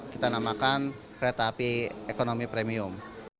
kita namakan kereta api ekonomi premium